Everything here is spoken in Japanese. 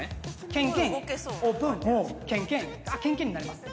けんけん、オープンけんけんあ、けんけんになります。